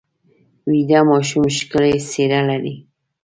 ویده ماشوم ښکلې څېره لري